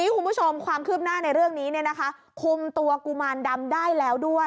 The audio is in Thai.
คุณผู้ชมความคืบหน้าในเรื่องนี้คุมตัวกุมารดำได้แล้วด้วย